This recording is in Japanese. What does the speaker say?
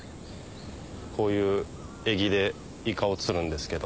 こういう餌木でイカを釣るんですけど。